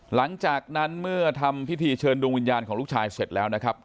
หลังจากนั้นเมื่อทำพิธีเชิญดวงวิญญาณของลูกชายเสร็จแล้วนะครับ